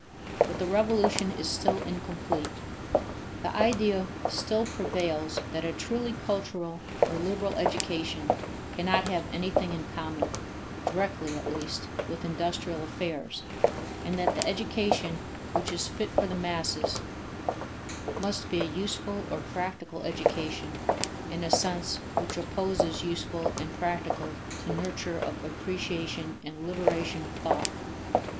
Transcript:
But the revolution is still incomplete. The idea still prevails that a truly cultural or liberal education cannot have anything in common, directly at least, with industrial affairs, and that the education which is fit for the masses must be a useful or practical education in a sense which opposes useful and practical to nurture of appreciation and liberation of thought.